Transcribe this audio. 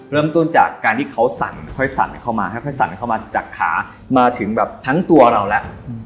เริ่มต้นจากการที่เขาสั่นค่อยสั่นเข้ามาค่อยสั่นเข้ามาจากขามาถึงแบบทั้งตัวเราแล้ว